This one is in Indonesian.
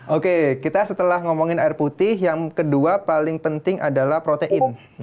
oke kita setelah ngomongin air putih yang kedua paling penting adalah protein